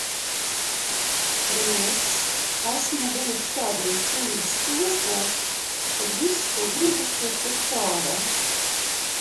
Arī es esmu bijusi tādos dzīves posmos, kad viss, ko gribas, ir tikt ārā.